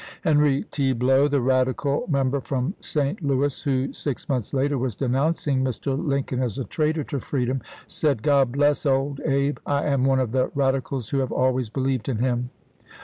Henry T. Blow, the radical member from St. Louis (who six months later was denouncing Mr. Lincoln as a traitor to freedom), said :" Grod bless old Abe ! I am one of the Kadi cals who have always believed in him."